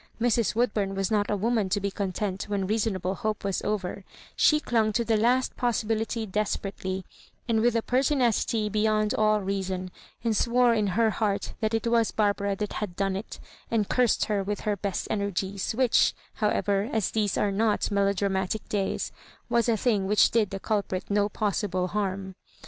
Mrs. Woodbum was not a woman to be content when reasonable hope was over — she dung to the last possibility desperately, with a perti nacity beyond all reason, and swore in her heart that it was Barbara that had done it, and cursed her with her best energies ; which, how ever, as these are not melodramatic days, was a thing which did the culprit no possible harm.